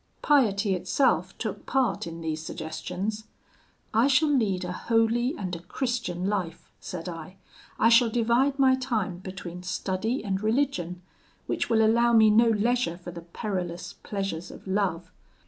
Piety itself took part in these suggestions. 'I shall lead a holy and a Christian life,' said I; 'I shall divide my time between study and religion, which will allow me no leisure for the perilous pleasures of love.